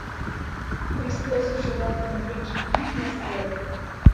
Христосын шогалтыме еҥжым ит мыскыле!